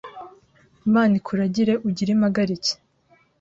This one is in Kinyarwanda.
Imana ikuragire; ugire impagarike;